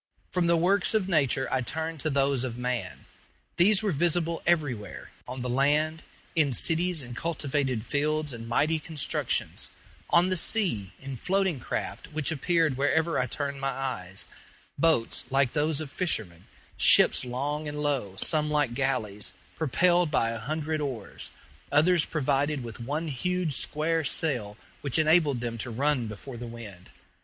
From the works of nature I turned to those of man. These were visible everywhere: on the land, in cities and cultivated fields and mighty constructions; on the sea, in floating craft, which appeared wherever I turned my eyes boats like those of fishermen, ships long and low, some like galleys, propelled by a hundred oars, others provided with one huge square sail, which enabled them to run before the wind.